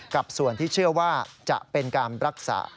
กับส่วนที่เชื่อว่าจะเป็นการรักษา